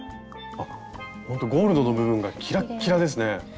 ほんとゴールドの部分がキラッキラですね。